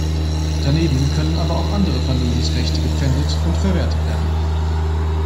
Daneben können aber auch andere Vermögensrechte gepfändet und verwertet werden.